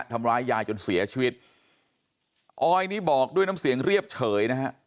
ทำร้ายยายจนเสียชีวิตออยนี่บอกด้วยน้ำเสียงเรียบเฉยนะฮะ